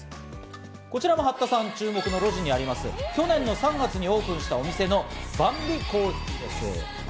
こちらの八田さん注目の路地にあります、去年の３月にオープンしたお店の「ＢＡＭＢＩＣＯＦＦＥＥ」。